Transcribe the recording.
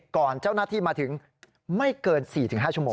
ก่อนเจ้าหน้าที่มาถึงไม่เกิน๔๕ชั่วโมง